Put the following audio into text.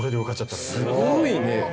すごいね。